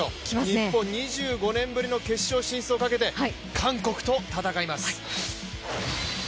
日本２５年ぶりの決勝進出をかけて韓国と戦います。